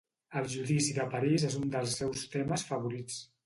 El judici de Paris és un dels seus temes favorits.